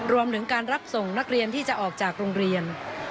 รวมถึงการรับส่งนักเรียนที่จะออกจากโรงเรียน